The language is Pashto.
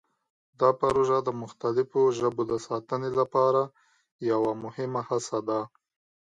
دا پروژه د مختلفو ژبو د ساتنې لپاره یوه مهمه هڅه ده.